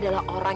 kalau ngerti kan